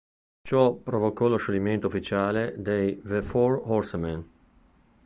Ciò provocò lo scioglimento ufficiale dei The Four Horsemen.